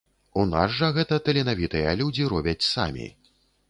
У нас жа гэта таленавітыя людзі робяць самі.